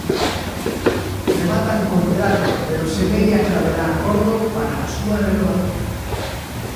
Rematan contrato pero semella que haberá acordo para a súa renovación.